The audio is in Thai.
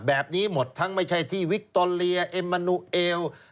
แบบนี้หมดทั้งไม่ใช่ที่วิคโตเรียเอ็มมานูเอล